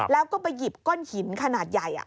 แล้วก็ไปหยิบก้อนหินขนาดใหญ่